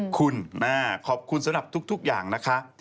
คุณขอบคุณสำหรับทุกอย่างนะคะ